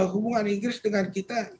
hubungan inggris dengan kita